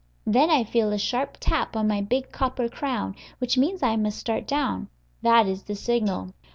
Then I feel a sharp tap on my big copper crown, which means I must start down. That is the signal.